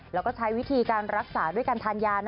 แล้วก็ใช้วิธีการรักษาด้วยการทานยา